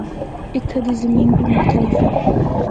اِتھا دی زمین بھی مختلف ہے۔